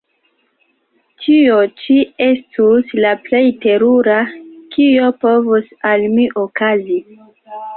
tio ĉi estus la plej terura, kio povus al mi okazi.